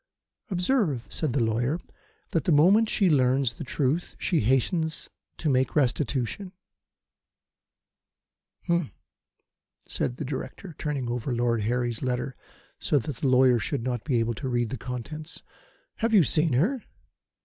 "Observe," said the lawyer, "that the moment she learns the truth she hastens to make restitution." "Humph!" said the Director, turning over Lord Harry's letter so that the lawyer should not be able to read the contents. "Have you seen her?"